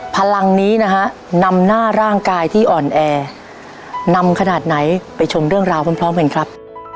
พลังนี้นะฮะนำหน้าร่างกายที่อ่อนแอนำขนาดไหนไปชมเรื่องราวพร้อมกันครับ